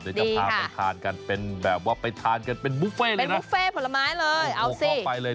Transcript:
เดี๋ยวจะพาไปทานกันเป็นแบบว่าไปทานกันเป็นบุฟเฟ่เลยเป็นบุฟเฟ่ผลไม้เลยเอาบุฟเฟ่ไปเลย